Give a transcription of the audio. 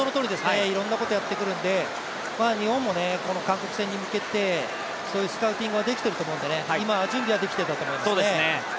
いろんなことをやってくるんで、日本もこの韓国戦に向けてそういうスカウティングができていると思うので、今、準備はできていたと思いますね